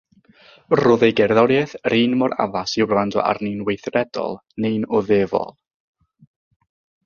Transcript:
Roedd ei gerddoriaeth yr un mor addas i wrando arni'n weithredol neu'n oddefol.